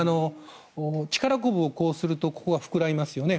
力こぶをこうするとここが膨らみますよね。